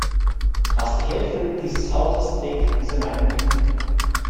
Fast die Hälfte dieses Hauses trägt diese Meinung mit.